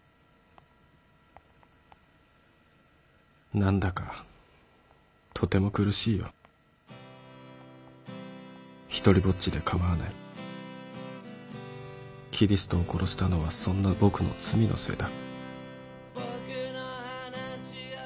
「なんだかとても苦しいよ一人ぼっちで構わないキリストを殺したのはそんな僕の罪のせいだ」。